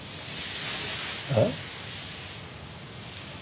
えっ？